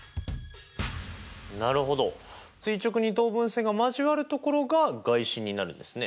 なるほど垂直二等分線が交わるところが外心になるんですね。